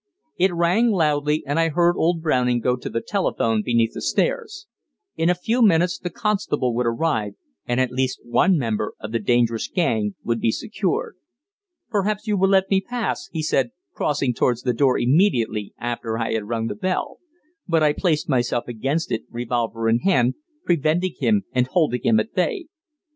It rang loudly, and I heard old Browning go to the telephone beneath the stairs. In a few minutes the constable would arrive, and at least one member of the dangerous gang would be secured. "Perhaps you will let me pass," he said, crossing towards the door immediately after I had rung the bell. But I placed myself against it, revolver in hand, preventing him and holding him at bay.